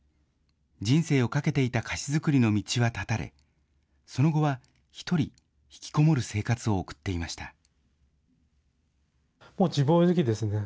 人生をかけていた菓子作りの道は絶たれ、その後は一人、引きこもる生活を送っていました。